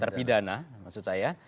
terpidana maksud saya